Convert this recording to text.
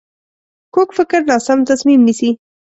کوږ فکر ناسم تصمیم نیسي